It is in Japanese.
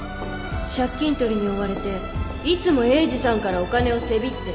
借金とりに追われていつも栄治さんからお金をせびって